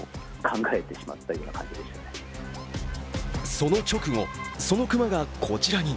その直後、その熊がこちらに。